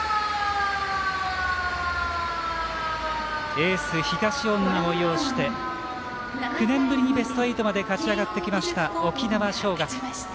エース、東恩納を擁して９年ぶりにベスト８まで勝ち上がってきました沖縄尚学。